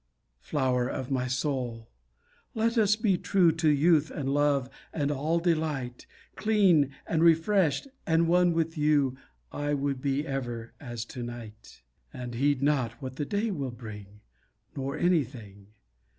Flower of my soul! Let us be true To youth and love and all delight, Clean and refreshed and one with you I would be ever as to night, And heed not what the day will bring, Nor anything.